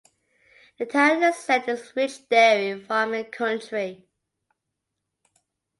The town is set in rich dairy farming country.